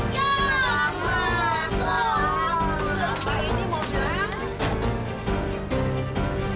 ya mbak aku sudah mbak ini mau jalan